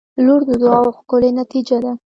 • لور د دعاوو ښکلی نتیجه ده.